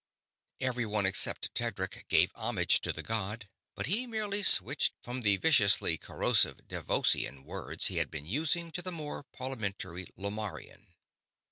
Everyone except Tedric gave homage to the god, but he merely switched from the viciously corrosive Devossian words he had been using to more parliamentary Lomarrian.